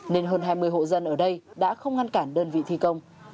nên hơn hai mươi hộ dân ở đây đã không ngăn cản đơn vị thi công